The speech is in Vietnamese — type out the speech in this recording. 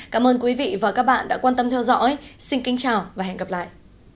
cảm ơn quý vị và các bạn đã quan tâm theo dõi xin kính chào và hẹn gặp lại